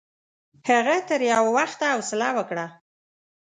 هغه تر یوه وخته حوصله وکړه.